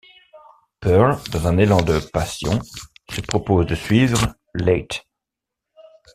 Pearl, dans un élan de passion, se propose de suivre Lewt.